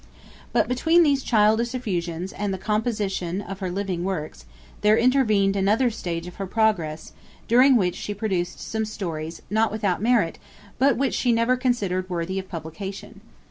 But between these childish effusions, and the composition of her living works, there intervened another stage of her progress, during which she produced some stories, not without merit, but which she never considered worthy of publication.